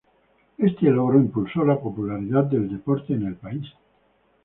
Este logro impulsó la popularidad del deporte en el país.